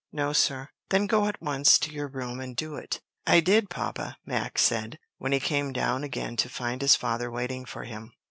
"No, sir." "Then go at once to your room and do it." "I did, papa," Max said, when he came down again to find his father waiting for him.